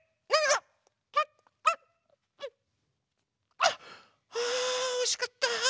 あおいしかった。